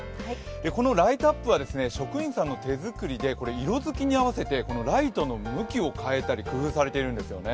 このライトアップは職員さんの手作りで、色づきに合わせてライトの向きを変えたり工夫されてるんですよね。